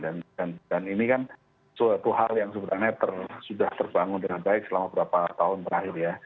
dan ini kan suatu hal yang sebenarnya sudah terbangun dengan baik selama beberapa tahun terakhir ya